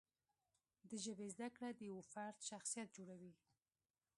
د ژبې زده کړه د یوه فرد شخصیت جوړوي.